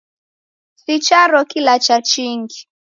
Si charo kilacha chingi.